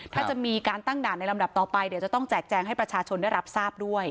ถ้าจะมีการตั้งด่านในลำดับต่อไปเดี๋ยวจะต้องแจกแจงให้ประชาชนได้รับทราบด้วย